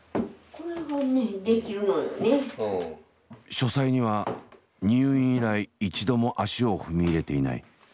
書斎には入院以来一度も足を踏み入れていない。